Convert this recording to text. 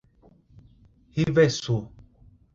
Riversul